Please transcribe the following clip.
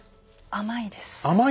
甘いです。